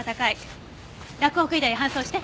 洛北医大へ搬送して。